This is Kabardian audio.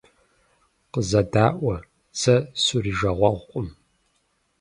Къызэдаӏуэ, сэ сурижагъуэгъукъым.